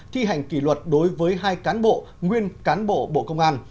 thi hành kỷ luật đối với hai cán bộ nguyên cán bộ bộ công an